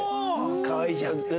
かわいいじゃんみたいな？